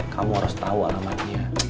kamu harus tau alamatnya